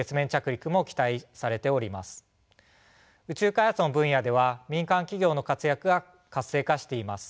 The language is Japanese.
宇宙開発の分野では民間企業の活躍が活性化しています。